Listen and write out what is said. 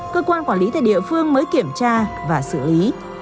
cơ quan quản lý tại địa phương mới kiểm tra và xử lý